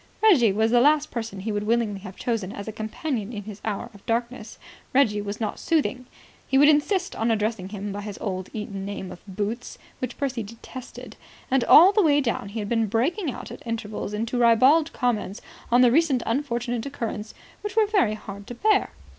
Reggie was the last person he would willingly have chosen as a companion in his hour of darkness. Reggie was not soothing. He would insist on addressing him by his old Eton nickname of Boots which Percy detested. And all the way down he had been breaking out at intervals into ribald comments on the recent unfortunate occurrence which were very hard to bear.